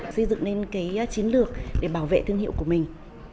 xây dựng nên cái chiến lược để bảo vệ thương hiệu của mình